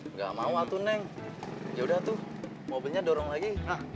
nggak mau atu neng ya udah tuh mobilnya dorong lagi